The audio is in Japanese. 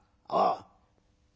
ああ。